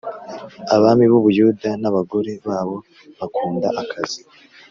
abami b’ u Buyuda n’ abagore babo bakunda akazi.